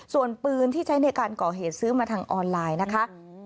ส่วนปืนที่ใช้ในการก่อเหตุซื้อมาทางออนไลน์นะคะ